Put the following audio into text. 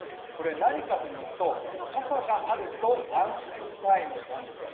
何かというと傘があると安心ＴＩＭＥ，なんですよ。